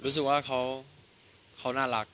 รู้สึกว่าเขาน่ารัก